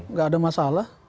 nggak ada masalah